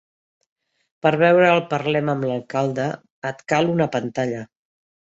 Per veure el Parlem amb l'alcalde, et cal una pantalla.